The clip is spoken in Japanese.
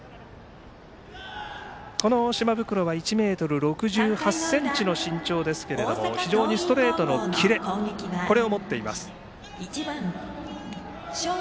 この島袋は１ｍ６８ｃｍの身長ですけど非常にストレートのキレを持っています。